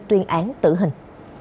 tuyên án tử hình